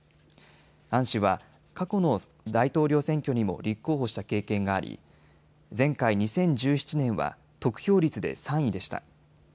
アン氏は過去の大統領選挙にも立候補した経験があり前回２０１７年は得票率で３位でした。